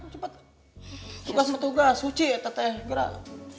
tugas mah tugas wujie teteh gerak